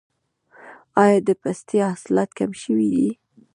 آیا د پستې حاصلات کم شوي دي؟